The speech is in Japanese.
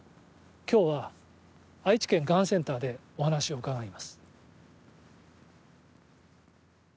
今日は愛知県がんセンターでお話を伺います。